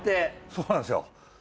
そうなんすよ。